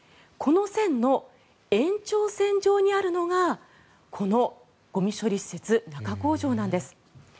この線の延長線上にあるのがこのゴミ処理施設中工場なんです。